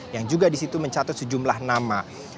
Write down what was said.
yang juga disitu mencatut sejumlah nama